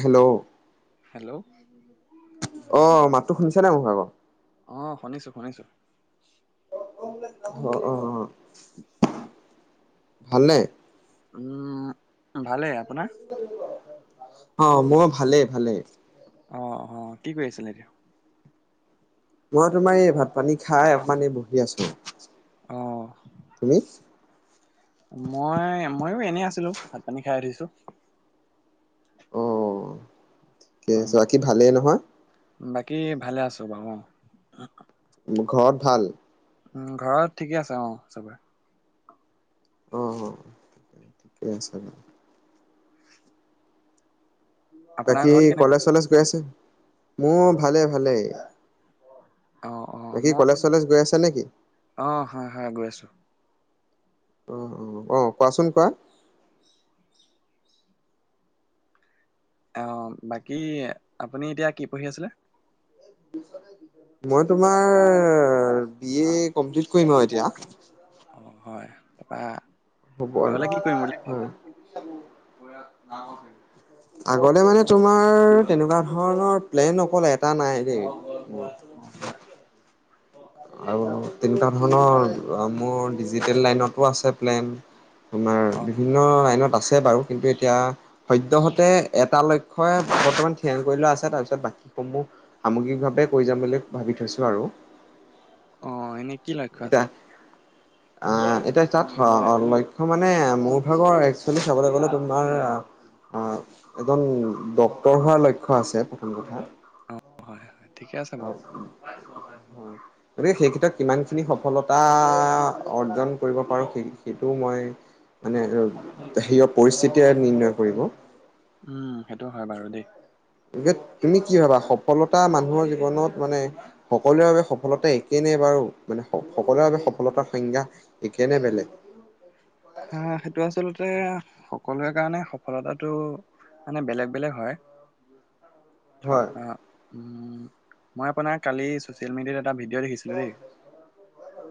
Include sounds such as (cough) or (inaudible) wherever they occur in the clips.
হে হেল্ল'। অ' মাততো শুনিছা নে মোৰ ভালকে? অ' শুনিছো শুনিছো। অ' অ' অ' ভালনে? উম্ ভালেই। আপোনাৰ? অ' মোৰ ভালেই ভালেই। অ' অ' কি কৰি আছিলে এতিয়া? মই তোমাৰ এই ভাত পানী খাই অকমান বহি আছো। অ'। তুমি? মই -মইয়ো এনেই আছিলো ভাত পানী খাই উঠিছো। অ' ঠিক অ আছে, বাকী ভালেই নহয়? বাকী ভালে আছো বাৰু অ',। ঘৰত ভাল? উম' ঘৰত ঠিকে আছে অ' চবৰে। অ' ঠিকে আছে দে। আপোনাৰ বাকী ঘৰত কেনেকুৱা কলেজ চলেজ গৈ আছে? মোৰ ভালে ভালেই। অ'- অ' মই। চলেজ গৈ আছা নেকি অ' হয়- হয় গৈ আছো। উম' অ' অ' কোৱাচোন কোৱা। অ' বাকী আপুনি এতিয়া কি পঢ়ি আছিলে? মই তোমাৰ বি এ কমপ্লিট কৰিম আৰু এতিয়া। অ' হয়। তাৰপৰা হ'ব আৰু হয়। (inaudible) আগতে মানে তোমাৰ তেনেকুৱা ধৰণৰ প্লেন অকলে এটা নাই দেই। অ', হয়। আৰু তেনেকুৱা ধৰণৰ মোৰ ডিজিটেল লাইনতো আছে প্লেন। আমাৰ অ বিভিন্ন লাইনত আছে বাৰু কিন্তু এতিয়া সদ্যহতে এটা লক্ষ্যই বৰ্তমান থিৰাং কৰি লোৱা আছে তাৰপিছত বাকীসমূহ সামগ্ৰিকভাৱে কৈ যাম বুলি ভাবি থৈছোঁ আৰু। অ' এনেই কি লক্ষ্য আছে? এতিয়া আহ, এতিয়া তাত লক্ষ্য মানে মোৰ ভাগৰ একচুৱেলি চাবলৈ গ'লে তোমাৰ আহ এজন ড্ক্তৰ হোৱাৰ লক্ষ্য আছে প্ৰথম কথা। অ' হয়- হয় ঠিকে আছে বাৰু। গতিকে সেই ক্ষেত্ৰত কিমানখিনি সফলতা অৰ্জন কৰিব পাৰো সেইটোও মইয়ে। মানে সেইয়া পৰিস্থিতিয়ে নিৰ্ণয় কৰিব। উম', সেইটো হয় বাৰু দেই। গতিকে তুমি কি ভাবা? সফলতা মানুহৰ জীৱনত মানে সকলোৰে বাবে সফলতা একে নে বাৰু, মানে সকলোৰে বাবে সফলতাৰ সংজ্ঞা একেই নে বেলেগ? আহ সেইটো আচলতে সকলোৰে কাৰণে সফলতাটো মানে, বেলেগ -বেলেগ হয়। থ হয় অ' উম্ মই আপোনাৰ কালি ছ চিয়েল মিডিয়াত এটা ভিডিঅ' দেখিছিলোঁ দেই,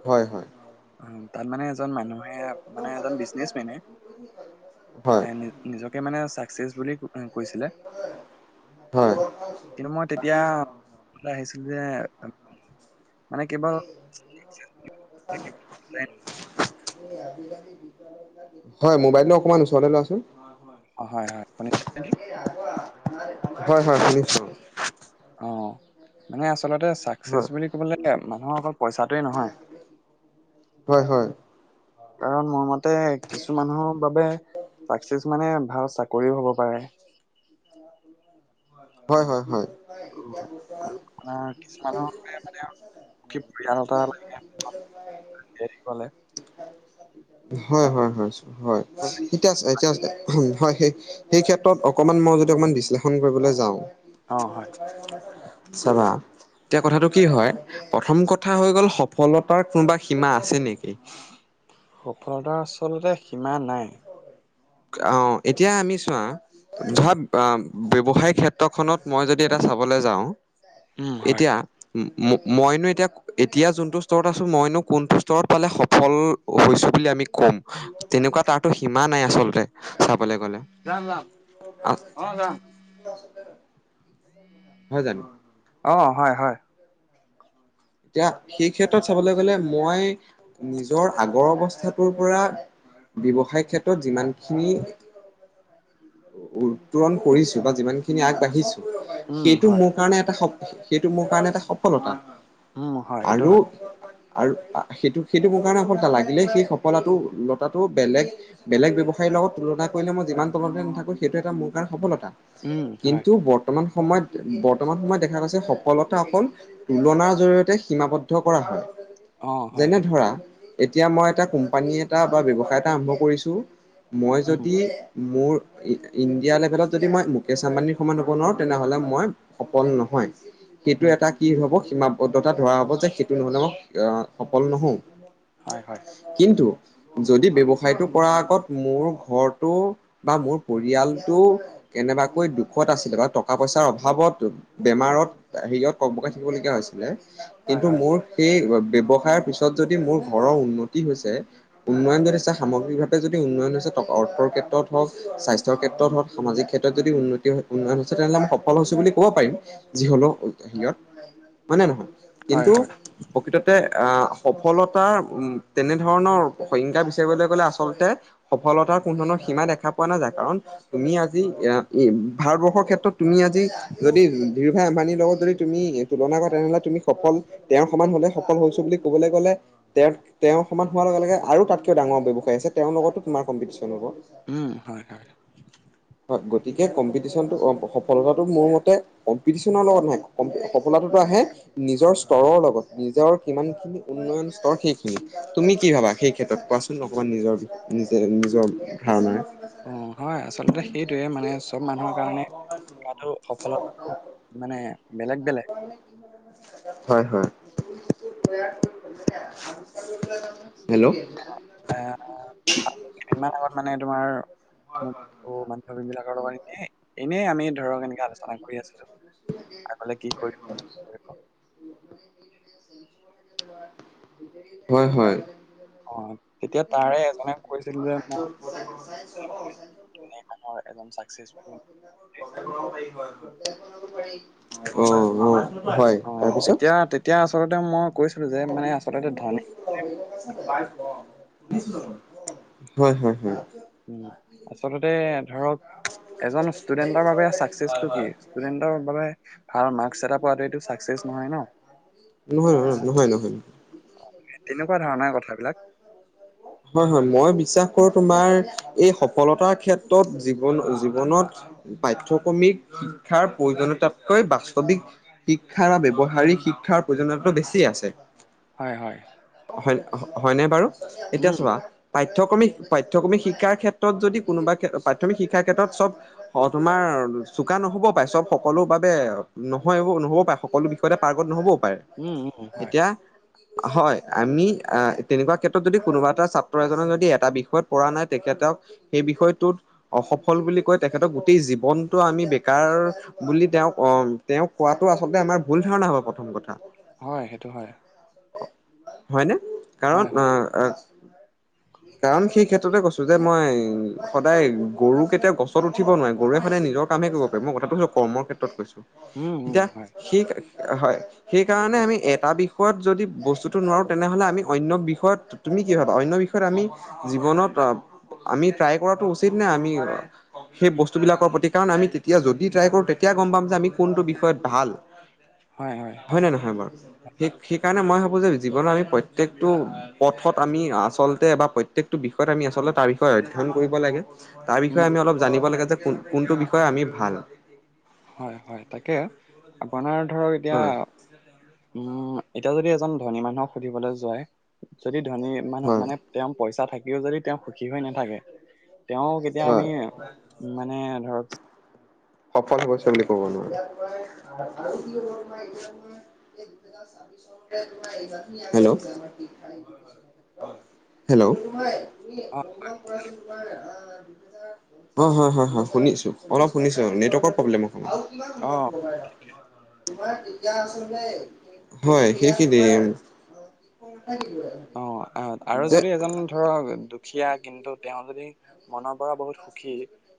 হয় হয় অ তাত মানে এজন মানুহে, মানে এজন বিজনেছমেনে হয় এ নি নিজকে মানে চাক্সেচ বুলি এই কৈছিলে, হয় কিন্তু মই তেতিয়া ওলাই আহিছিল যে, মানে কেৱল (unintelligible) হয় মোবাইলটো অকমান ওচৰলে লোৱাচোন অ হয় হয় শুনিছে নেকি? হয় হয় শুনিছো। অ মানে আচলতে চাক্সেচ হয় বুলি কবলে গ'লে মানুহৰ অকল পইচাটোৱে নহয়। হয় হয়। কাৰণ মোৰ মতে কিছু মানুহৰ বাবে চাক্সেচ মানে ভাল চাকৰিও হব পাৰে। হয় হয় হয়। অ আৰু আপোনাৰ কিছুমানৰ মতে মানে, (unintelligible) লাগে কলে (unintelligible) হয় হয় হয় হয়। এতিয়া এতিয়া হয়, সেই সেই ক্ষেত্ৰত অকমান মই যদি অকমান বিশ্লেষণ কৰিবলৈ যাওঁ, অ হয় চাবা, এতিয়া কথাটো কি হয়, প্ৰথম ক- থা হৈ গ'ল সফলতাৰ কোনোবা সীমা আছে নেকি? সফলতাৰ আচলতে সীমা নাই। অ, এতিয়া আমি চোৱা ধৰা ব্যৱসায় ক্ষেত্ৰখনত মই যদি এটা চাবলে যাওঁ। উম হয় এতিয়া ম ম মইনো এতিয়া এতিয়া যোনটো স্তৰত আছো মইনো কোনটো স্তৰত পালে সফল হৈছো বুলি আমি কম। তেনেকুৱা এটাটো সীমা নাই আচল যাম যাম, অ যাম। (unintelligible) হয় জানো? অ হয় হয়। এতিয়া সেই ক্ষেত্ৰত চাবলে গলে মই নিজৰ আগৰ অৱস্থাটোৰ পৰা, ব্যৱসায় ক্ষেত্ৰত যিমানখিনি উত্তৰণ কৰিছো বা যিমান খিনি আগবাঢ়িছো উম সেইটো হয় মোৰ কাৰণে এটা স সেইটো মোৰ কাৰণে এটা সফলতা। উম হয় সেইটো আৰু হয় আৰু সেইটো সেইটো মোৰ কাৰণে সফলতা লাগিলেই সেই সফলাটো লতাটো বেলেগ বেলেগ ব্যৱসায়ীৰ লগত তুলনা কৰিলে মই যিমান তুলনাত নাথাকো সেইটো এটা মোৰ কাৰণে সফলতা। উম হয় কিন্তু ব ৰ্তমান সময়ত বৰ্তমান সময়ত দেখা গৈছে সফলতা অকল তুলনাৰ জৰিয় তে সীমাবদ্ধ কৰা হয়। অ হয় যেনে সেইটো ধৰা হয় এতিয়া মই এটা কোম্পানী এটা বা ব্যৱসায় এটা আৰম্ভ কৰিছোঁ, মই উম যদি মোৰ ইণ্ডিয়া লেভেলত যদি মই মুকেশ আম্বানীৰ সমান হ'ব নোৱাৰোঁ তেনেহ'লে মই সফল নহয়। সেইটো উম এটা কি হ'ব সীমাবদ্ধতা ধৰা হ'ব যে সেইটো নহ'লে মই এ সফল নহওঁ। হয় হয়। কিন্তু যদি ব্যৱসায়টো কৰাৰ আগত মোৰ ঘৰটো বা মোৰ পৰিয়ালটো কেনেবাকৈ দুখত আছিলে বা টকা পইচাৰ অভাৱত বেমাৰত হেৰিত ককবকাই থাকিব লগীয়া হৈছিলে হয় কিন্তু হয় মোৰ সেই ব্যৱসায়ৰ পিছত যদি মোৰ ঘৰৰ উন্নতি হৈছে উন্নয়ন ঘটিছে সামগ্ৰিকভাৱে যদি উন্নয়ন হৈছে টক অৰ্থ ক্ষেত্ৰত হওক, স্বাস্থ্যৰ ক্ষেত্ৰত হওক, সামাজিক ক্ষেত্ৰত যদি উন্নতি হয় উন্নয়ন হৈছে, তেনেহ'লে আমি সফল হৈছো বুলি ক'ব পাৰিম। যি হলেও সিহঁত হয় নে নহয়, হয় হয় কিন্তু হয়, প্ৰকৃততে আ সফলতাৰ তেনেধৰণৰ সংজ্ঞা বিচাৰিবলে গ'লে আচলতে, সফলতাৰ কোনো ধৰণৰ সীমা দেখা পোৱা নাযায়, কাৰণ তুমি আজি এ, ভাৰতবৰ্ষৰ ক্ষেত্ৰত তুমি আজি যদি ধীৰভাই আম্বানীৰ লগত যদি তুমি তুলনা কৰা তেনেহলে তুমি সফল, তেওঁৰ সমান হলে সফল হৈছো বুলি কবলে গলে। তেওঁ, তেওঁৰ সমান হোৱাৰ লগে লগে আৰু তাতকৈ ডাঙৰ ব্যৱসায়ী আছে তেওঁৰ লগতো তোমাৰ কম্পিটিচন হ'ব। উম' হয়, হয় হয়, গতিকে কম্পিটিশ্যনটো অ সফলতাটো মোৰ মতে কম্পিটিশনৰ লগত নাই, সফ সফলটাতো আহে নিজৰ স্তৰৰ লগত নিজৰ কিমান খিনি উন্নয়ন স্তৰ সেইখিনি, তুমি কি ভাবা সেই ক্ষেত্ৰত কোৱাচোন? চোন অকমান নিজৰ, নিজে নিজৰ ধাৰণাৰ অ, হয় আচলতে সেইটোয়ে মানে চব মানুহৰ কাৰণে কৰাটো সফলতাটো মানে বেলেগ-বেলেগ। হয়, হয় হেল্ল'! এহ, আৰু কেইদিনমান আগত মানে তোমাৰ মোৰ বন্ধু বান্ধৱী বিলাকৰ লগত এনেই, এনেই আমি ধৰক এনেকে আলোচনা কৰি আছিলো। আগলে কি কৰিম কৰিব। হয়, হয় অ তেতিয়া তাৰে এজনে কৈছিল যে মই (unintelligible) ঘৰৰ এজন চাকচেচফুল পাৰি অ অ হয় অ, তেতিয়া-তেতিয়া আচলতে মই। কৈছিলো যে অ, মানে আচলতে (unintelligible) ধনী (unintelligible) পাইছা নাই পাইছো অ দিছো হয়, হয়, হয় তাছত উম, আচলতে ধৰক এজন ষ্টুডেন্টৰ বাবে চাকচেচটো কি, ষ্টুডেন্টৰ বাবে ভাল মাৰ্কছ এটা পোৱাটো এইটো চাকচেছ নহয় ন। নহয়, অ, নহয়-নহয়। তেনেকুৱা ধৰণৰ কথা বিলাক। হয়, হয় মই বিশ্বাস কৰো তোমাৰ এই সফলতাৰ ক্ষেত্ৰত জীৱন-জীৱনত পাঠ্যক্ৰমিক শিক্ষাৰ প্ৰয়োজনীয় তাতকৈ বাস্তৱিক শিক্ষাৰ ব্যৱহাৰিক শিক্ষাৰ প্ৰয়োজনীয়তটো বেছি আছে। হয়, হয় হয় হয় নে বাৰু, এতিয়া উম চোৱা পাঠ্যক্ৰমিক, পাঠ্যক্ৰমিক শিক্ষাৰ ক্ষেত্ৰত যদি কোনোবা পাঠ্যমিক শিক্ষাৰ ক্ষেত্ৰত চব অ, তোমাৰ চোকা নহব পাৰে চব সকলো বাবে নহয় নহব পাৰে সকলো পাৰ্গত নহবও পাৰে। উম উম হয় এতিয়া হয়, আমি আহ তেনেকুৱা ক্ষেত্ৰত যদি কোনোবা এটা ছাত্ৰ এজনে যদি এটা বিষয়ত পৰা নাই তেখেতক সেই বিষয়টোত অসফল বুলি কয় তেখেতক গোটেই জীৱনটো আমি বেকাৰ বুলি তেওঁক অ, তেওঁক কোৱাটো আচলতে আমাৰ ভুল ধাৰণা হব প্ৰথম কথা। হয় সেইটো হয়। হয় নে, হয় হয় কাৰণ আহ কাৰণ সেই ক্ষেত্ৰতে কৈছো যে মই, সদায় গৰু কেতিয়াও গছত উঠিব নোৱাৰে গৰুৱে সদায় নিজৰ কামে কৰিব পাৰি মই কথাটো কৰ্মৰ ক্ষেত্ৰত কৈছো উম, উম, এতিয়া হয়, সেই হয় সেইকাৰণে আমি এটা বিষয়ত যদি বস্তুটো নোৱাৰো তেনেহ'লে আমি অন্য বিষয়ত তুমি কি কথা অন্য বিষয়ত আমি জীৱনত আমি ট্ৰাই কৰাটো উচিত নে আমি সেই বস্তুবিলাকৰ প্ৰতি কাৰণ আমি তেতিয়া যদি ট্ৰাই কৰোঁ তেতিয়া গম পাম যে আমি কোনটো বিষয়ত ভাল। হয়, হয়। হয় নে নহয় বাৰু? সেই সেইকাৰণে মই ভাবোঁ যে জীৱনত আমি প্ৰত্যেকটো পথত আমি আচল প্ৰত্যেকটো বিষয়ত আমি আচলতে তাৰ বিষয়ে অধ্যয়ন কৰিব লাগে, তাৰ উম, বিষয়ে আমি অলপ জানিব লাগে যে কোনটো বিষয়ে আমি ভাল। হয় হয় তাকে আপোনাৰ ধৰক এতিয়া হয় উম, এতিয়া যদি এজন ধনী মানুহক সুধিবলৈ যায় যদি ধনী মানুহ হয় মানে তেওঁৰ পইচা থাকিও যদি তেওঁ সুখী হৈ নাথাকে। তেওঁক এতিয়া হয় আমি মানে ধৰক সফল হৈছে বুলি কব নোৱাৰি। হেল্ল! হেল্ল! অ', অঁ হয় হয় হয় শুনি আছো অলপ শুনিছো। নেটৰ প্ৰব্লেম অক অ', হয় সেই (unintelligible) (unintelligible) অ আ আৰু যে যদি এজন ধৰক দুখীয়া কিন্তু তেওঁ যদি মনৰ পৰা বহুত সুখী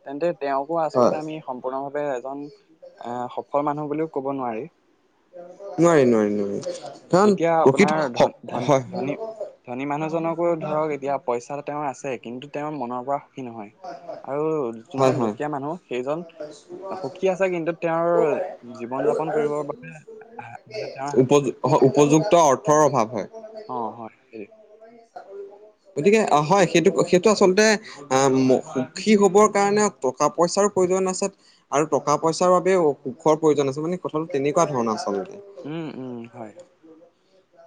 তেন্তে তেওঁকো আচলতে হয় আমি সম্পূৰ্ণভাৱে এজন এ সফল মানুহ বুলিও ক'ব নোৱাৰি। নোৱাৰি, নোৱাৰি, নোৱাৰি। কাৰণ এতিয়া প্ৰকৃত আপোনাৰ ধন, ধন, হয় ধনী ধনী মানুহজনকো ধৰক এতিয়া পইচা তেওঁৰ আছে, কিন্তু তেওঁৰ মনৰ পৰা সুখী নহয় আৰু হয় যোনজন হয় দুখীয়া মানুহ সেইজন সুখী আছে কিন্তু তেওঁৰ জীৱন যাপন কৰিবৰ বাবে মানে উপযু তেওঁ উপযুক্ত অৰ্থৰ অভাৱ অ হয়। (inaudible) গতিকে হয় সেইটো, সেইটো আচলতে আহ, সুখী হবৰ কাৰণে টকা পইচাৰ প্ৰয়োজন আছে আৰু টকা পইচাৰ বাবে সুখৰ প্ৰয়োজন আছে, মানে কথাটো তেনেকুৱা ধৰণৰ আচলতে। উম উম, হয়।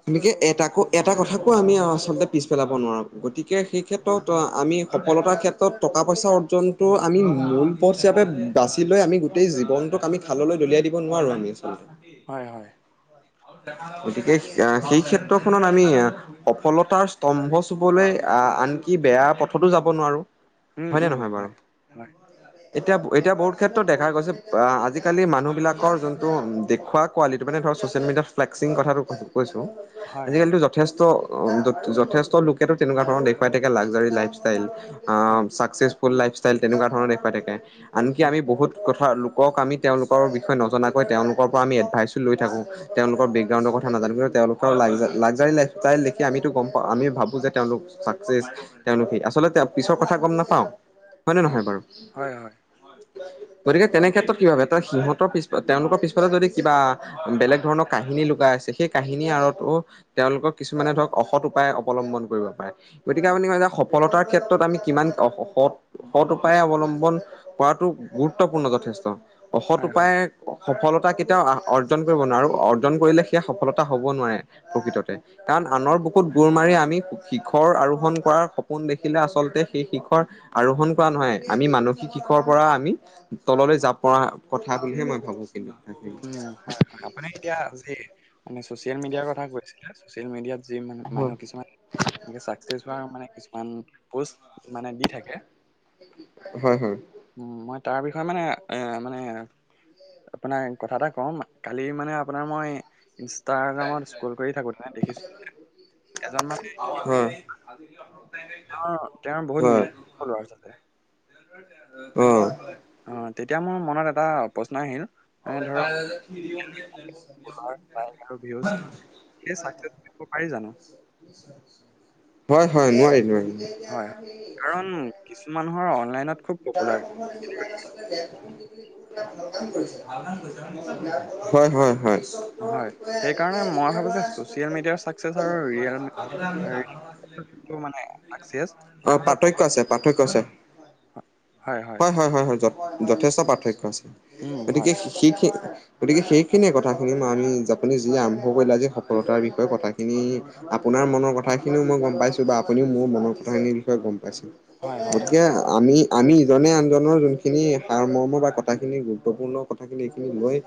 এনেকে এটাকো এটা কথাকো আমি আচলতে পিছ পেলাব নোৱাৰো গতিকে সেই ক্ষেত্ৰত ত আমি সফলতাৰ ক্ষেত্ৰত টকা, পইচা অৰ্জনটো আমি মূল পথ হিচাপে বাচি লৈ আমি গোই জীৱনটোক আমি খাললৈ দলিয়াই দিব নোৱাৰো আমি আচলতে। হয়-হয়। গতিকে সেই ক্ষেত্ৰখনত আমি সফলতাৰ স্তম্ভ চুবলৈ আহ, আনকি বেয়া পথতো যাব নোৱাৰো। উম হয়নে, উম নহয় বাৰু? হয় হয় এতিয়া-এতিয়া বহুত ক্ষেত্ৰত দেখা গৈছে। আজিকালি মানুহবিলাকৰ যোনটো দেখুওৱা কোৱালিটি মানে ধৰ মিডিয়াত ফ্লেক্সিং কথাটো কৈছোঁ, হয় আজি হয় কালিতো যথেষ্ট যথেষ্ট লোকেতো তেনেকুৱা ধৰণৰ দেখুৱাই থাকে, লাকজাৰী লাইফষ্টাইল হয় চাকচেচ ফুল লাইফষ্টাই তেনেুৱ ধৰণৰ দেখুৱাইকে। আনকি উম আমি বহুত কথা লোকক আমি তেওঁলোকৰ বিষয়ে নজনাকৈ তেওঁলোকৰ পৰা আমি এডভাইচো লৈ থাকো। তেওঁলোক বেকগ্ৰাউণ্ডৰ কথাজান কিন্ত তেওঁলোকৰ ল, লজাৰী লাই ইল দেখি আমিতো গম পা, আমি ভাবোঁ যে তেওঁলোক চাকচচ তেওঁলোকেই আচলতে পিছৰ কথা গম নাপাও হয়নে, নহয় বাৰু? হয়। গতিকে তেনে ক্ষেত্ৰত কি ভাবে এ, সিহঁতৰ পিছ তেওঁলোকৰ পিছফালে যদি কিবা বেলেগ ধৰণৰ। কাহিনী লুকাই আছে, সেই কাহিনীৰ আঁৰতো তেওঁলোকৰ কিছুমানে ধৰক, অসৎ উপায় অৱলম্বন কৰিব পাৰে। গতিকে আপুনি কয় যে সফলতাৰ ক্ষেত্ৰত আমি কিমান সৎ উপায় অৱলম্বন কৰাটো গুৰুত্বপূৰ্ণ যথেষ্ট। অসৎ হয় হয় উপায়েৰে সফলতা কেতিয়াও অৰ্জন কৰিব নোৱাৰো আৰু জন কৰিলে সেইয়া সফলতা হ'ব নোৱাৰে প্ৰকৃততে। কাৰণ আনৰ বুকুত গোৰ মাৰি আমি শিখৰ আৰোহণ কৰাৰ সপোন দেখিলে, আচলতে সেই শিখৰ আৰোহণ কৰা নহয়, আমি মানসিক শিখৰৰ পৰা আমি তললৈ যাব পৰা কথা বুলিহে মই ভাবো কিন্তু। হয়-হয়, আপুনি এতিয়া যি মানে চচিয়েল মিডিয়াৰ কথা কৈছিলে ছ'চিয়েল মিডিয়াত যি হয় মানুহ কিছুমান এনেকে চাকচেছ হোৱা মানে কিছুমান পষ্ট মানে দি থাকে। হয়-হয়। উম, মই তাৰ বিষয়ে মানে, এ মানে আপোনাৰ কথা এটা ক'ম, কালি মানে আপোনাৰ মই ইনষ্টাগ্ৰামত স্কল কৰি থাকোতেনে, দেখিছো যে এজন মানে আজি (unintelligible) অ', তেওঁ বহুত মিলিন ফ'ল'ৱাৰচ আছে। উম, অ', তেতিয়া মোৰ মনত এটা প্ৰশ্ন আহিল। মানে ধৰক অ', ফলোৱাৰ লাইক আৰু ভিউজ (unintelligible) এই চাক (unintelligible) পাৰি জানো হয়-হয়, নোৱাৰি-নোৱাৰি। হয়, কাৰণ কিছু মানুহৰ অনলাইনত খুব পপুলাৰ বিদ্যালয়সমূহত সেইবিলাক আচলতে দেখ (unintelligible) হয়-হয়-হয়। হয়, সেইকাৰণে মই ভাবো যে, চচিয়েল মিডিয়াৰ চাকচেছ আৰু ৰিয়েল যিটো মানে চাকচেছ, যাব। তাৰ অ' মাজত পাৰ্থক্য বহুত আছে হয় হয় হয়-হয়-হয়-হয়, যথেষ্ট পাৰ্থক্য আছে, উম গতিকে হয় সেই গতিকে সেইখিনিয়েই কথাখিনি, মই আমি আপুনি যি আৰম্ভ কৰিলে আজি, সফলতাৰ বিষয়ে কথাখিনি। আপোনাৰ মনৰ কথা খিনিও মই গম পাইছো বা আপুনিও মোৰ মনৰ কথাখিনিৰ বিষয়ে গম পাইছে, হয় হয় গতিকে আমি আমি ইজনে আনজনৰ যোনখিনি সাৰমৰ্ম বা কথাখিনি, গুৰুত্বপূৰ্ণ কথাখিনি এইখিনি লৈ